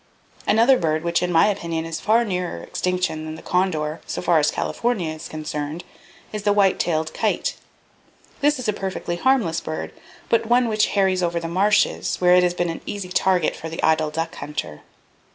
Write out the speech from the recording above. "Another bird which in my opinion is far nearer extinction than the condor, so far as California is concerned, is the white tailed kite. This is a perfectly harmless bird, but one which harries over the marshes, where it has been an easy target for the idle duck hunter.